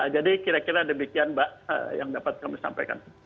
jadi kira kira demikian yang dapat kami sampaikan